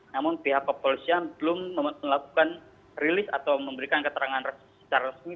namun pihak kepolisian belum melakukan rilis atau memberikan keterangan secara resmi